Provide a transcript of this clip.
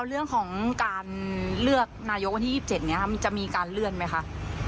เรื่องของการเลือกนายกวันที่๒๗นี้จะมีการเลื่อนไหมคะ